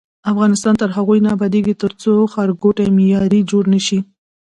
افغانستان تر هغو نه ابادیږي، ترڅو ښارګوټي معیاري جوړ نشي.